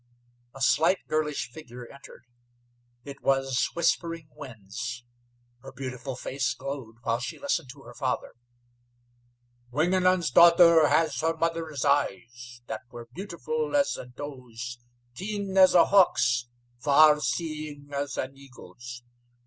A slight, girlish figure entered. It was Whispering Winds. Her beautiful face glowed while she listened to her father. "Wingenund's daughter has her mother's eyes, that were beautiful as a doe's, keen as a hawk's, far seeing as an eagle's.